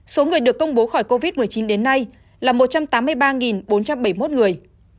số người được công bố khỏi covid một mươi chín đến nay là một trăm tám mươi ba bốn trăm bảy mươi một người